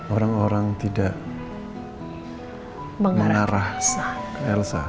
orang orang tidak menarah ke elsa